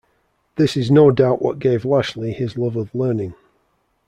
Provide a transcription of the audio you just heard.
This is no doubt what gave Lashley his love of learning.